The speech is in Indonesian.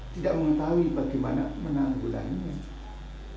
tidak mengetahui bagaimana menanggulannya